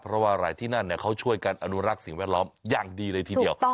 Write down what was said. เพราะว่าอะไรที่นั่นเขาช่วยกันอนุรักษ์สิ่งแวดล้อมอย่างดีเลยทีเดียว